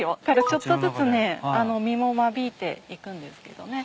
ちょっとずつね実も間引いていくんですけどね。